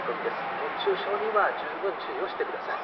熱中症には十分注意をしてください。